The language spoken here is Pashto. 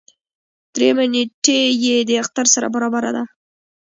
دريیمه نېټه یې د اختر سره برابره ده.